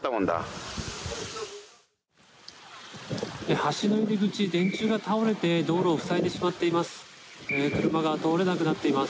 橋の入り口、電柱が倒れて道路を塞いでしまっています。